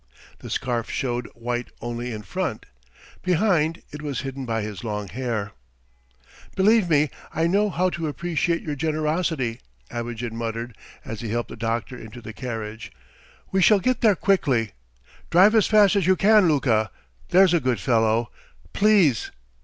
The scarf showed white only in front, behind it was hidden by his long hair. "Believe me, I know how to appreciate your generosity," Abogin muttered as he helped the doctor into the carriage. "We shall get there quickly. Drive as fast as you can, Luka, there's a good fellow! Please!"